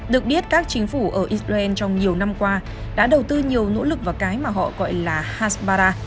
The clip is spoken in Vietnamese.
được biết các chính phủ ở israel trong nhiều năm qua đã đầu tư nhiều nỗ lực vào cái mà họ gọi là hasmara